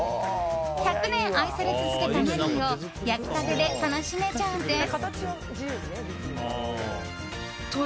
１００年愛され続けたマリーを焼きたてで楽しめちゃうんです。